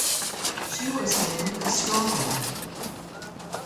She was named Astronomer.